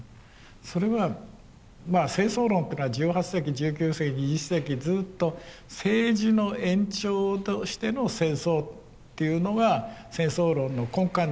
それは戦争論っていうのは１８世紀１９世紀２０世紀ずっと政治の延長としての戦争っていうのが戦争論の根幹にあった。